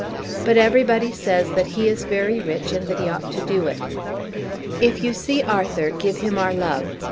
But everybody says that he is very rich and that he ought to do it. If you see Arthur give him our love.